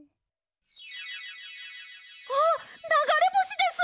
あっながれぼしです！